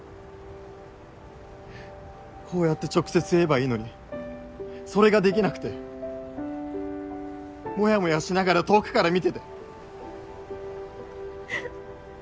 こうやって直接言えばいいのにそれができなくてモヤモヤしながら遠くから見てて。